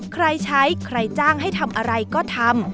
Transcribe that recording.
ใครใช้ใครจ้างให้ทำอะไรก็ทำ